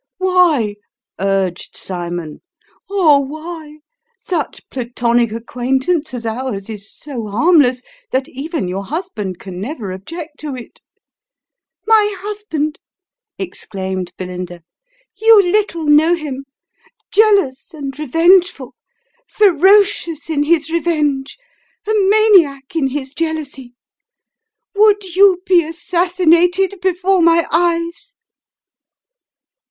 " Why ?" urged Cymon, " oh why ? Such Platonic acquaintance as ours is so harmless, that even your husband can never object to it." " My husband !" exclaimed Belinda. " You little know him. Jealous and revengeful ; ferocious in his revenge a maniac in his jealousy ! Would you be assassinated before my eyes